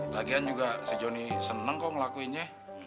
lagian juga si johnny seneng kok ngelakuinnya